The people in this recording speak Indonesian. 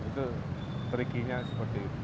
itu tricky nya seperti itu